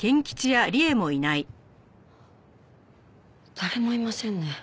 誰もいませんね。